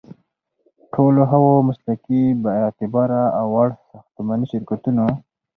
ټولو هغو مسلکي، بااعتباره او وړ ساختماني شرکتونو